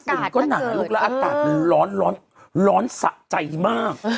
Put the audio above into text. อุ๊ยก็หนาลูกลาร้อนร้อนร้อนสระใจมาก